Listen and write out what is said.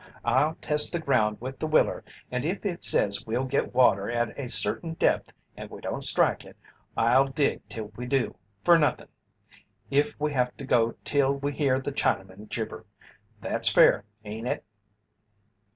I'll test the ground with the willer and if it says we'll get water at a certain depth and we don't strike it, I'll dig till we do, for nothin', if we have to go till we hear the Chinamen gibber. That's fair, ain't it?"